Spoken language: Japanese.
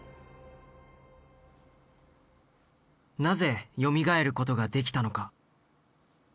なぜよみがえることができたのか。